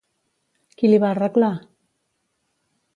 Qui li va arreglar?